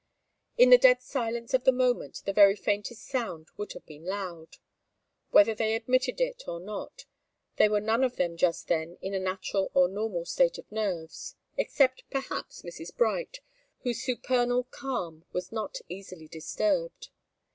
In the dead silence of the moment the very faintest sound would have been loud. Whether they admitted it or not, they were none of them just then in a natural or normal state of nerves, except perhaps Mrs. Bright, whose supernal calm was not easily disturbed.